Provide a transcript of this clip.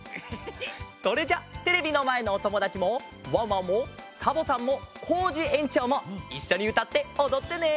それじゃテレビのまえのおともだちもワンワンもサボさんもコージえんちょうもいっしょにうたっておどってね。